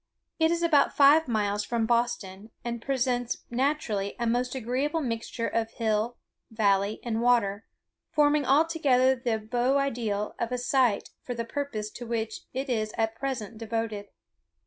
It is about five miles from Boston, and presents naturally a most agreeable mixture of hill, valley, and water, forming altogether the beau ideal of a site for the purpose to which it is at present devoted.